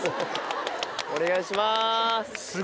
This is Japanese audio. お願いします。